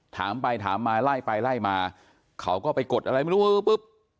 ถามไปถามมาไล่ไปไล่มาเขาก็ไปกดอะไรไม่รู้ปุ๊บ